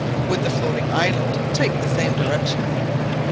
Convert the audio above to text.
Would the floating island take the same direction?